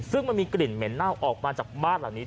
ซึ่งมันมีกลิ่นเหม็นเน่าออกมาจากบ้านหลังนี้